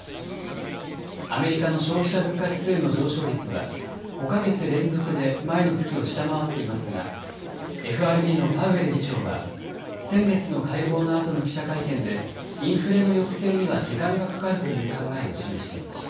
アメリカの消費者物価指数の上昇率は５か月連続で前の月を下回っていますが、ＦＲＢのパウエル議長は先月の会合のあとの記者会見でインフレの抑制には時間がかかるという考えを示していました。